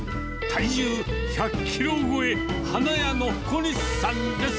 体重１００キロ超え、花屋の小西さんです。